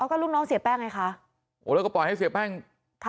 แล้วก็ลูกน้องเสียแป้งไงคะโอ้แล้วก็ปล่อยให้เสียแป้งค่ะ